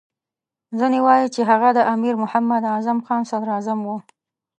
ځینې وایي چې هغه د امیر محمد اعظم خان صدراعظم وو.